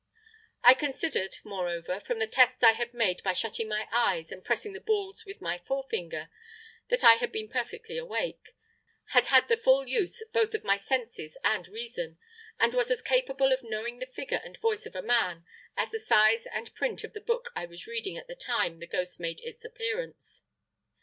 I considered, moreover, from the tests I had made by shutting my eyes and pressing the balls with my forefinger, that I had been perfectly awake, had had the full use both of my senses and reason, and was as capable of knowing the figure and voice of a man as the size and print of the book I was reading at the time the ghost made its appearance.